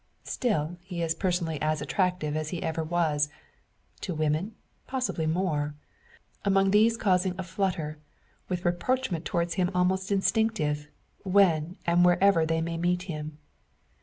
Still is he personally as attractive as he ever was to women, possibly more; among these causing a flutter, with rapprochement towards him almost instinctive, when and wherever they may meet him.